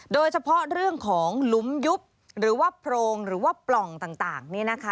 โดยเฉพาะเรื่องของหลุมยุบหรือว่าโพรงหรือว่าปล่องต่างนี่นะคะ